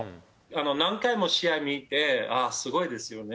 何回も試合観てすごいですよね。